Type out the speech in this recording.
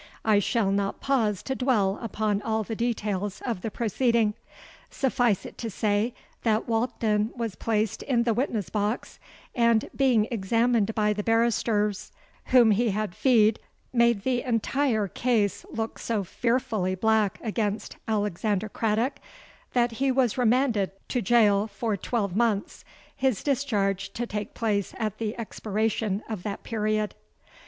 I shall not pause to dwell upon all the details of the proceeding: suffice it to say that Walkden was placed in the witness box, and, being examined by the barristers whom he had feed, made the entire case look so fearfully black against Alexander Craddock, that he was remanded to gaol for twelve months, his discharge to take place at the expiration of that period.